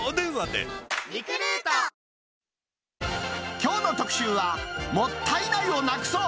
きょうの特集は、もったいないをなくそう。